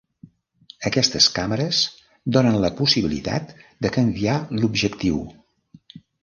Aquestes càmeres donen la possibilitat de canviar l'objectiu.